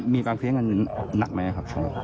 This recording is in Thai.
มีบางเสียงนั้นหนักไหมครับ